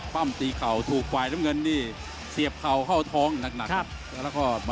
พยายามงั้นศอกงั้นศอก